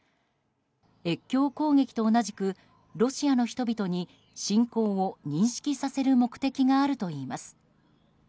越境攻撃と同じくロシアの人々に侵攻を認識させる目的があるといいます。